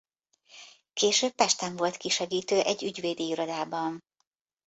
Később Pesten volt kisegítő egy ügyvédi irodában.